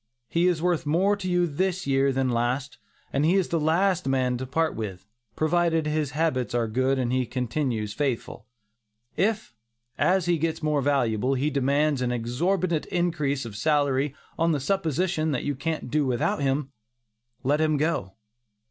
He is worth more to you this year than last, and he is the last man to part with, provided his habits are good and he continues faithful. If, as he gets more valuable, he demands an exorbitant increase of salary on the supposition that you can't do without him, let him go.